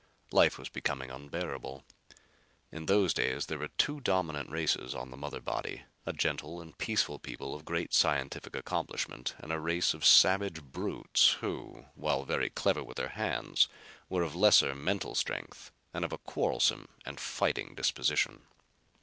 Life was becoming unbearable. In those days there were two dominant races on the mother body, a gentle and peaceful people of great scientific accomplishment and a race of savage brutes who, while very clever with their hands, were of lesser mental strength and of a quarrelsome and fighting disposition.